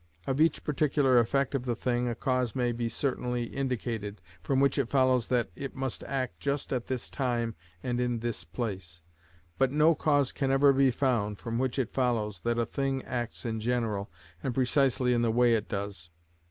Of each particular effect of the thing a cause may be certainly indicated, from which it follows that it must act just at this time and in this place; but no cause can ever be found from which it follows that a thing acts in general, and precisely in the way it does.